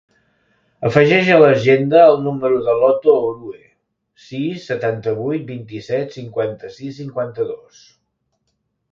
Afegeix a l'agenda el número de l'Oto Orue: sis, setanta-vuit, vint-i-set, cinquanta-sis, cinquanta-dos.